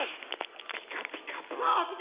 「ピカピカブ！」。